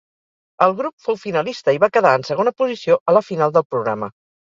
El grup fou finalista i va quedar en segona posició a la final del programa.